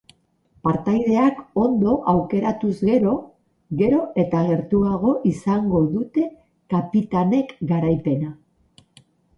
Partaideak ondo aukeratuz gero, gero eta gertuago izango dute kapitanek garaipena.